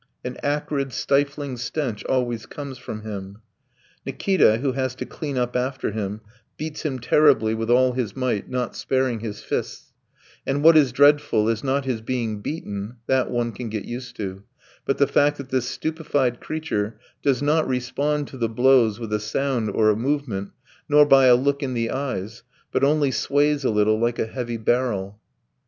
An acrid, stifling stench always comes from him. Nikita, who has to clean up after him, beats him terribly with all his might, not sparing his fists; and what is dreadful is not his being beaten that one can get used to but the fact that this stupefied creature does not respond to the blows with a sound or a movement, nor by a look in the eyes, but only sways a little like a heavy barrel.